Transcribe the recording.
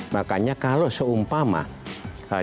makanya kalau seumpama dia mau masuk